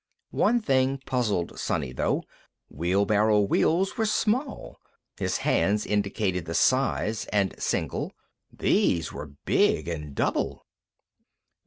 One thing puzzled Sonny, though. Wheelbarrow wheels were small his hands indicated the size and single. These were big, and double.